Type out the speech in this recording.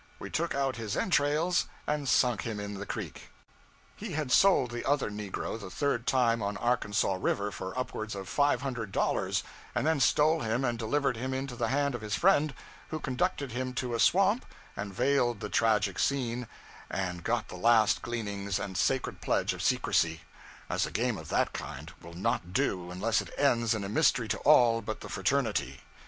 We took out his entrails and sunk him in the creek. 'He had sold the other negro the third time on Arkansaw River for upwards of five hundred dollars; and then stole him and delivered him into the hand of his friend, who conducted him to a swamp, and veiled the tragic scene, and got the last gleanings and sacred pledge of secrecy; as a game of that kind will not do unless it ends in a mystery to all but the fraternity.